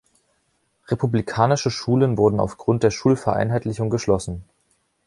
Republikanische Schulen wurden aufgrund der Schulvereinheitlichung geschlossen.